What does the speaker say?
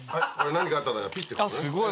何かあったらピッって吹くのね。